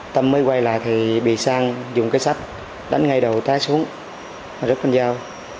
tâm mới quay lại thì bị sang dùng cái sách đánh ngay đầu tái xuống và rút con dao